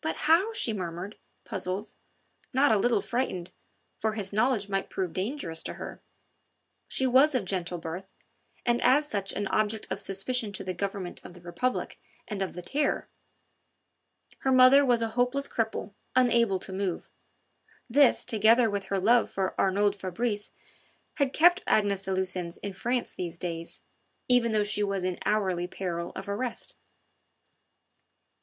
"But how?" she murmured, puzzled, not a little frightened, for his knowledge might prove dangerous to her. She was of gentle birth, and as such an object of suspicion to the Government of the Republic and of the Terror; her mother was a hopeless cripple, unable to move: this together with her love for Arnould Fabrice had kept Agnes de Lucines in France these days, even though she was in hourly peril of arrest.